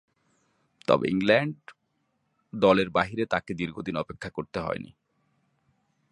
তবে, ইংল্যান্ড দলের বাইরে তাকে দীর্ঘদিন অপেক্ষা করতে হয়নি।